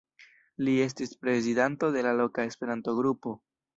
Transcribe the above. Li estis prezidanto de la loka Esperanto-grupo.